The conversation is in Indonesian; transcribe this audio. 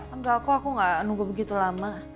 enggak aku aku gak nunggu begitu lama